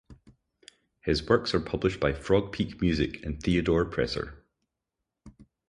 His works are published by Frog Peak Music and Theodore Presser.